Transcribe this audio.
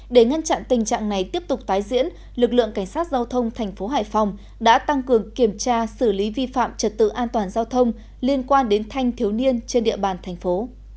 để ngăn chặn tình trạng này tiếp tục tái diễn lực lượng cảnh sát giao thông thành phố hải phòng đã tăng cường kiểm tra xử lý vi phạm trật tự an toàn giao thông liên quan đến thanh thiếu niên trên địa bàn thành phố